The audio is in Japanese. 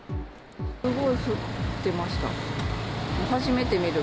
すごい降ってました。